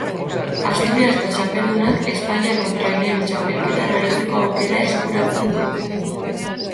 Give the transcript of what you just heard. Asturiasko txapeldunak Espainiako Traineru Txapelketan aritzeko aukera eskuratzen du.